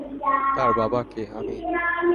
তার বাবা কে, আমি?